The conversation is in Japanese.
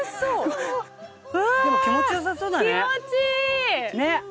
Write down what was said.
でも気持ち良さそうだね。